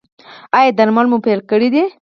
ایا درمل مو پیل کړي دي؟